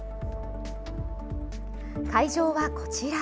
会場はこちら。